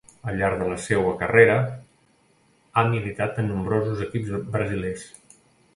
Al llarg de la seua carrera ha militat en nombrosos equips brasilers.